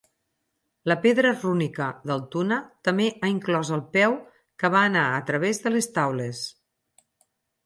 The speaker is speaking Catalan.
La pedra rúnica d'Altuna també ha inclòs el peu que va anar a través de les taules.